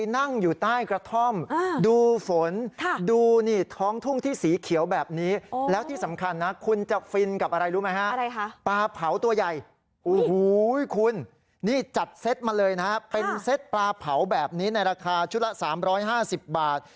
จัดเซ็ตมาเลยนะฮะเป็นเซ็ตปลาเผาแบบนี้ในราคาชุดละสามร้อยห้าสิบบาท